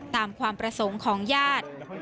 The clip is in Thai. ตามความประสงค์ของญาติ